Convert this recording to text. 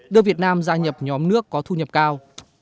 đưa việt nam gia nhập nhóm nước có thu nhập cao